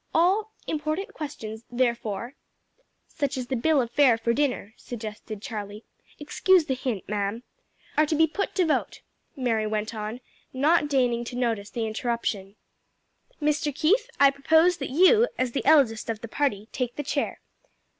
All important questions, therefore " "Such as the bill of fare for dinner," suggested Charlie. "Excuse the hint, ma'am." "Are to be put to vote," Mary went on, not deigning to notice the interruption. "Mr. Keith, I propose that you, as the eldest of the party, take the chair."